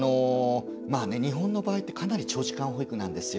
日本の場合ってかなり長時間保育なんですよ。